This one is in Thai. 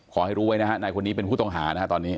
ขอให้รู้ไว้นะฮะนายคนนี้เป็นผู้ต้องหานะฮะตอนนี้